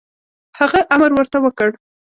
هغه امر ورته وکړ.